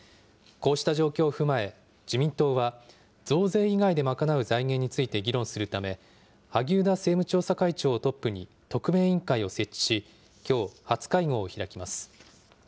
こうした状況を踏まえ、自民党は増税以外で賄う財源について議論するため、萩生田政務調査会長をトップに特命委員会を設置し、きょう、初会合を開きます。